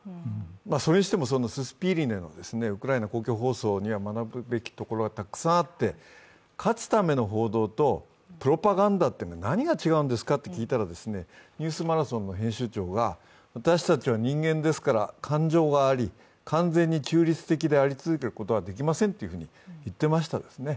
それにしてもススピーリネ、ウクライナ公共放送には学ぶべきところがたくさんあって、勝つための報道とプロパガンダは何が違うんですかと聞いたら、「ニュースマラソン」の編集長が、私たちは人間ですから感情があり、完全に中立的であり続けることはできませんと言ってましたね。